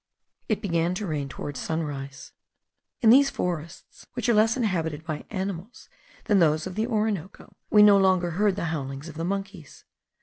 It began to rain toward sunrise. In these forests, which are less inhabited by animals than those of the Orinoco, we no longer heard the howlings of the monkeys.